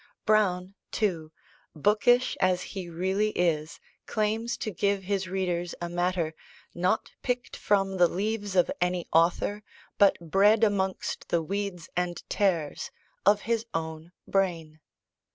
Browne, too, bookish as he really is claims to give his readers a matter, "not picked from the leaves of any author, but bred amongst the weeds and tares" of his own brain.